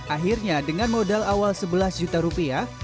akhirnya dengan modal awal sebelas juta rupiah